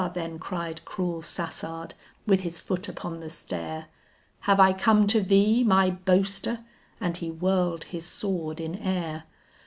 then cried cruel Sassard with his foot upon the stair, "Have I come to thee, my boaster?" and he whirled his sword in air.